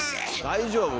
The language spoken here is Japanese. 大丈夫？